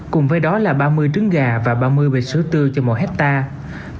cùng với đó là ba mươi trứng gà và ba mươi vệt sữa tươi cho một hectare